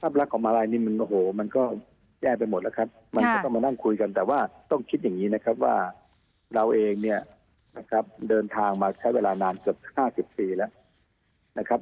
รักของมาลัยนี่มันโอ้โหมันก็แย่ไปหมดแล้วครับมันก็ต้องมานั่งคุยกันแต่ว่าต้องคิดอย่างนี้นะครับว่าเราเองเนี่ยนะครับเดินทางมาใช้เวลานานเกือบ๕๐ปีแล้วนะครับ